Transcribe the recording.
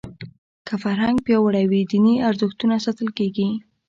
که فرهنګ پیاوړی وي دیني ارزښتونه ساتل کېږي.